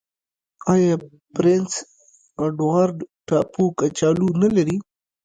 آیا پرنس اډوارډ ټاپو کچالو نلري؟